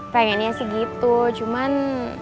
pengennya sih gitu cuman